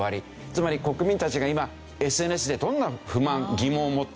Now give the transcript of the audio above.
つまり国民たちが今ＳＮＳでどんな不満疑問を持っているのか。